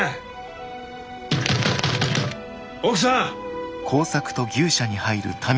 奥さん！